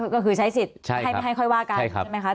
ก็คือใช้สิทธิ์ให้ค่อยว่ากันใช่ไหมคะ